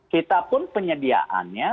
kita pun penyediaannya